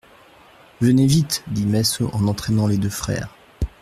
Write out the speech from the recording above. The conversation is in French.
Venez vite, dit Massot en entraînant les deux frères.